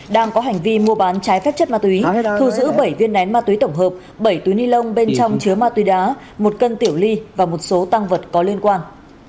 đang có hành vi mua bán trái phép chất ma túy thu giữ bảy viên nén ma túy tổng hợp bảy túi ni lông bên trong chứa ma túy đá một cân tiểu ly và một số tăng vật có liên quan